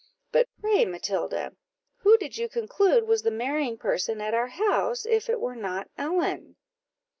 But pray, Matilda, who did you conclude was the marrying person at our house, if it were not Ellen?"